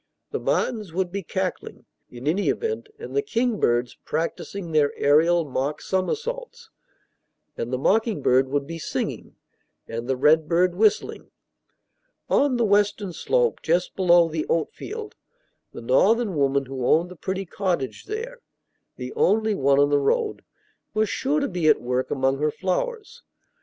The martins would be cackling, in any event, and the kingbirds practicing their aerial mock somersaults; and the mocking bird would be singing, and the redbird whistling. On the western slope, just below the oatfield, the Northern woman who owned the pretty cottage there (the only one on the road) was sure to be at work among her flowers.